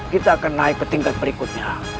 kita akan naik ke tingkat berikutnya